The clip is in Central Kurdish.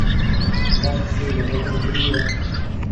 کەس قسەی لەگەڵ ئەو کردووە؟